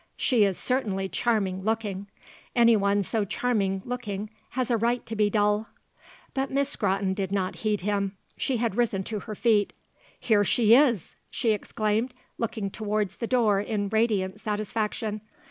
"She is certainly charming looking; anyone so charming looking has a right to be dull." But Miss Scrotton did not heed him. She had risen to her feet. "Here she is!" she exclaimed, looking towards the door in radiant satisfaction.